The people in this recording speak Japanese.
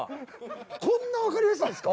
こんなわかりやすいんですか？